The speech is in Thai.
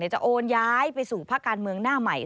จะโอนย้ายไปสู่ภาคการเมืองหน้าใหม่